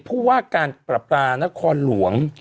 ผู้ว่าการปรับปรานครหลวง